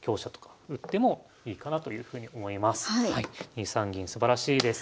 ２三銀すばらしいです。